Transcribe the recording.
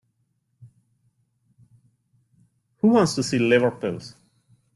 Who wants to see liver pills?